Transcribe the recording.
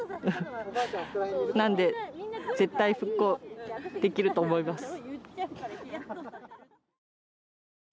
なので絶対復興できると思います。